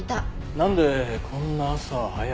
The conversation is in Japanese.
なんでこんな朝早くに。